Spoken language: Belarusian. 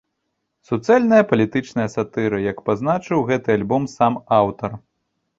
Суцэльная палітычная сатыра, як пазначыў гэты альбом сам аўтар.